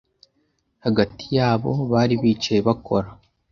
hagati yabo bari bicaye bakora